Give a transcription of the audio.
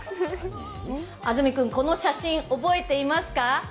安住君、この写真覚えていますか？